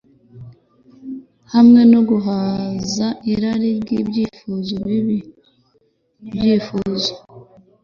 hamwe no guhaza irari ry’ibyifuzo bibi. Ibyifuzo